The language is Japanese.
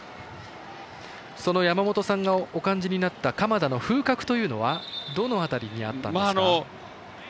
その山本さんがお感じになった鎌田の風格というのはどの辺りにあったんですか。